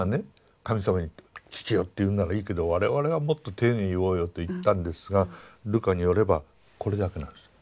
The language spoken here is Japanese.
神様に「父よ」って言うんならいいけど我々はもっと丁寧に言おうよと言ったんですがルカによればこれだけなんです。